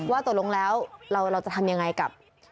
ว่าตกลงแล้วเราจะทำยังไงกับ